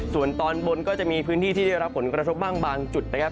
ส่วนตอนบนก็จะมีพื้นที่ที่ได้รับผลกระทบบ้างบางจุดนะครับ